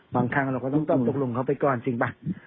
บางครั้งเราก็ต้องตอบตกลงเขาไปก่อนจริงป่ะ